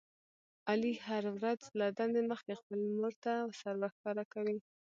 علي هره ورځ له دندې مخکې خپلې مورته سر ورښکاره کوي.